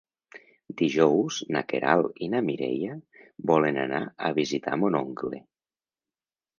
Dijous na Queralt i na Mireia volen anar a visitar mon oncle.